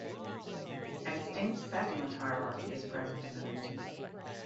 A distinct settlement hierarchy is present in the region.